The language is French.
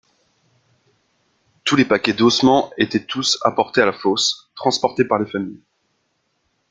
Tous les paquets d’ossements étaient tous apportés à la fosse, transportée par les familles.